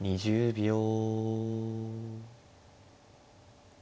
２０秒。